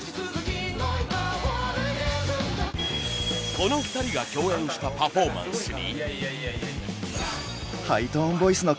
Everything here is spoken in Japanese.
この２人が共演したパフォーマンスに。